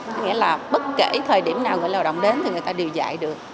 có nghĩa là bất kể thời điểm nào người lao động đến thì người ta đều dạy được